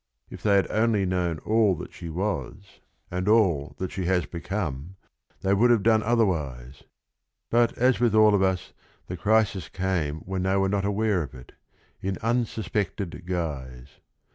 If they had only known all that she was and all 232 THE RING AND THE BOOK that she has become, they would have done other wise. But as with all of us the crisis came when they were not aware of it, in unsuspected guise.